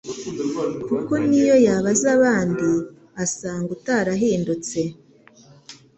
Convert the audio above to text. kuko niyo yabaza abandi asanga utarahindutse